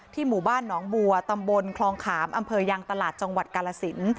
หมู่บ้านหนองบัวตำบลคลองขามอำเภอยังตลาดจังหวัดกาลสิน